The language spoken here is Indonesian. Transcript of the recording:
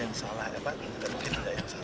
dan ini persoalan kultur perlu pendidikan yang baik